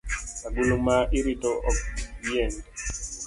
Agulu ma irito ok yieny